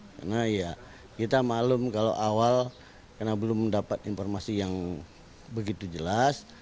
karena ya kita malam kalau awal karena belum mendapat informasi yang begitu jelas